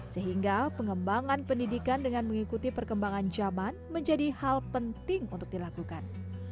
sehingga pengembangan pendidikan dengan mengikuti perkembangan zaman menjadi hal penting untuk dilakukan